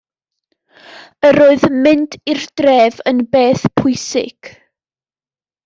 Yr oedd mynd i'r dref yn beth pwysig.